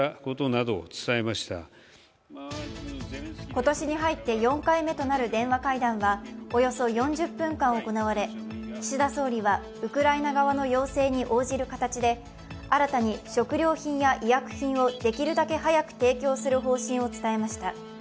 今年に入って４回目となる電話会談はおよそ４０分間行われ岸田総理はウクライナ側の要請に応じる形で新たに食料品や医薬品をできるだけ早く提供する方針を伝えました。